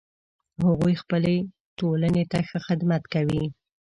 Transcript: هغوی خپلې ټولنې ته ښه خدمت کوي